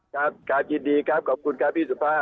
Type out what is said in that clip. ครับครับยินดีครับขอบคุณครับพี่สุภาพ